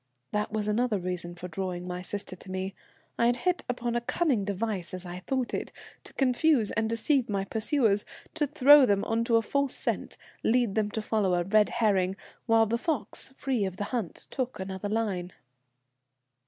That was another reason for drawing my sister to me. I had hit upon a cunning device, as I thought it, to confuse and deceive my pursuers, to throw them on to a false scent, lead them to follow a red herring, while the fox, free of the hunt, took another line."